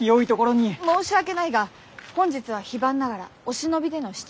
申し訳ないが本日は非番ながらお忍びでの市中お見回りだ。